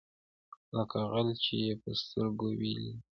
لکه غل چي یې په سترګو وي لیدلی